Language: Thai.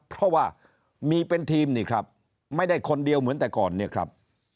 เพราะว่ามีเป็นทีมนี่ครับไม่ได้คนเดียวเหมือนแต่ก่อนเนี่ยครับ